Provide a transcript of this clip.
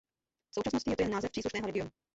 V současnosti je to jen název příslušného regionu.